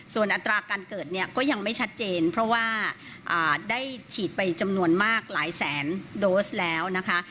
ส่วนอัตราการเกิดเนี่ยก็ยังไม่ชัดเจนเพราะว่าได้ฉีดไปจำนวนมากหลายแสนโดสแล้วนะคะ